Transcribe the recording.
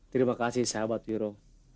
terima kasih sahabat wiro